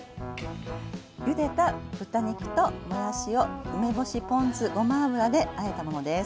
ゆでた豚肉ともやしを梅干しポン酢ごま油であえたものです。